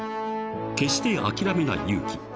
［決して諦めない勇気］